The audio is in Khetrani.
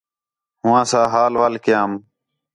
ہواں ساں حال وال کیام